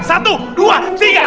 satu dua tiga